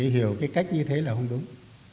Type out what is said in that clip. hiểu cái cách như thế là không đúng